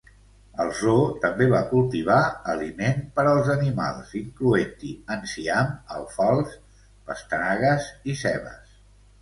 El zoo també va cultivar aliment per als animals, incloent-hi enciam, alfals, pastanagues i cebes.